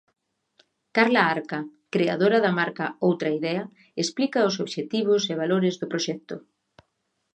Carla Arca, creadora da marca Outra Idea, explica os obxectivos e valores do proxecto.